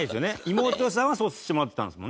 妹さんはそうしてもらってたんですもんね？